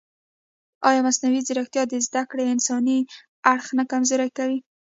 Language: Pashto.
ایا مصنوعي ځیرکتیا د زده کړې انساني اړخ نه کمزوری کوي؟